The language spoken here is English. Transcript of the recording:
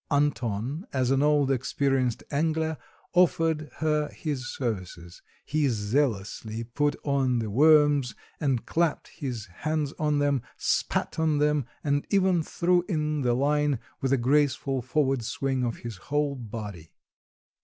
Anton as an old experienced angler offered her his services. He zealously put on the worms, and clapped his hand on them, spat on them and even threw in the line with a graceful forward swing of his whole body.